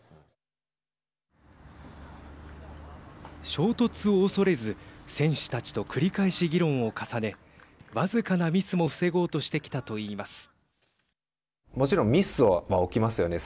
衝突を恐れず選手たちと繰り返し議論を重ね僅かなミスも防ごうとしてきたと言います。